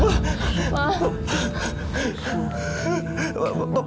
papa duduk pak